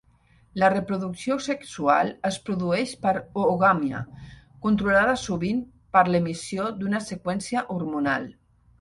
La reproducció sexual es produeix per oogàmia, controlada sovint per l'emissió d'una seqüència hormonal.